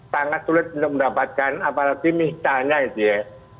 sangat sulit untuk mendapatkan apalagi misalnya itu ya